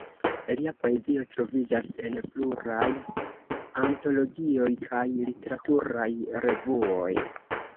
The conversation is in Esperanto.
Lia poezio troviĝas en pluraj antologioj kaj literaturaj revuoj.